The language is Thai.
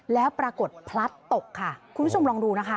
แล้วปรากฏพลัดตกค่ะคุณผู้ชมลองดูนะคะ